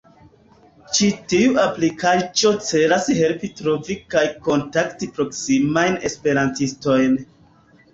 Ĉi tiu aplikaĵo celas helpi trovi kaj kontakti proksimajn esperantistojn.